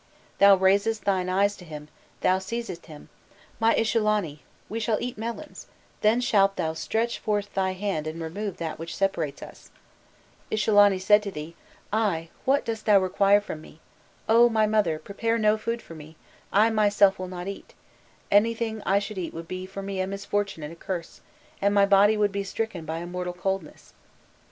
Thou raisedst thine eyes to him, thou seizedst him: 'My Ishullanu, we shall eat melons, then shalt thou stretch forth thy hand and remove that which separates us.' Ishullanu said to thee: 'I, what dost thou require from me? O my mother, prepare no food for me, I myself will not eat: anything I should eat would be for me a misfortune and a curse, and my body would be stricken by a mortal coldness.